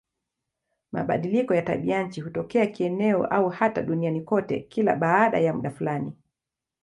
Mabadiliko ya tabianchi hutokea kieneo au hata duniani kote kila baada ya muda fulani.